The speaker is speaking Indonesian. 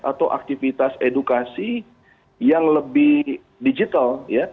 atau aktivitas edukasi yang lebih digital